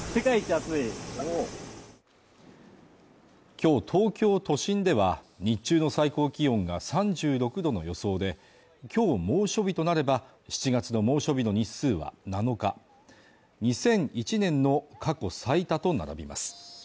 今日、東京都心では日中の最高気温が３６度の予想で今日、猛暑日となれば７月の猛暑日の日数は７日２００１年の過去最多と並びます